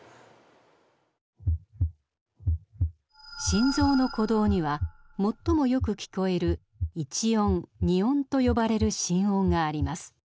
心臓の鼓動には最もよく聞こえる「Ⅰ音」「Ⅱ音」と呼ばれる心音があります。